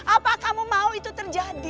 apa kamu mau itu terjadi